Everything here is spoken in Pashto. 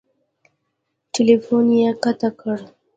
ټیلیفون یې قطع کړ !